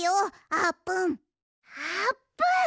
あーぷん！